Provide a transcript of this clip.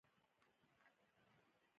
افغانستان د دغه ستر هندوکش کوربه دی.